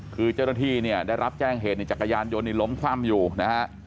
คือเจ้าหน้าที่เนี่ยได้รับแจ้งเหตุในจักรยานยนต์นี่ล้มคว่ำอยู่นะฮะ